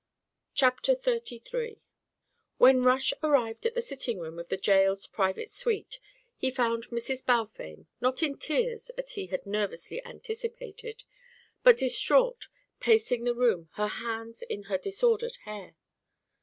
CHAPTER XXXIII When Rush arrived at the sitting room of the jail's private suite he found Mrs. Balfame, not in tears as he had nervously anticipated, but distraught, pacing the room, her hands in her disordered hair.